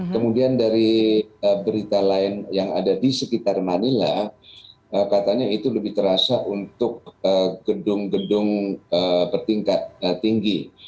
kemudian dari berita lain yang ada di sekitar manila katanya itu lebih terasa untuk gedung gedung bertingkat tinggi